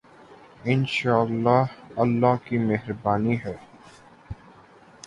انشاء اللہ، اللہ کی مہربانی سے۔